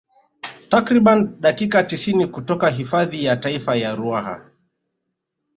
Takriban dakika tisini kutoka hifadhi ya taifa ya Ruaha